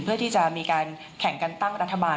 เพื่อที่จะมีการแข่งกันตั้งรัฐบาล